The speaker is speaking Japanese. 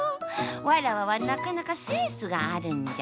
わらわはなかなかセンスがあるんじゃ。